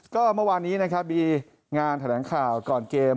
ก็เมื่อวานนี้นะครับมีงานแถลงข่าวก่อนเกม